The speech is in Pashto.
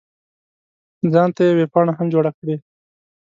ځان ته یې ویبپاڼه هم جوړه کړې.